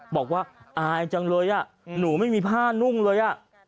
บอกว่าอายจังเลยหนูไม่มีผ้านุ่งเลย